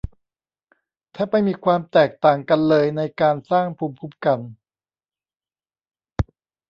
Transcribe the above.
แทบไม่มีความแตกต่างกันเลยในการสร้างภูมิคุ้มกัน